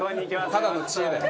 ただの知恵だよ。